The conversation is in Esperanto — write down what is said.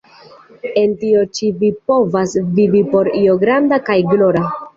En tio ĉi vi povas vivi por io granda kaj glora.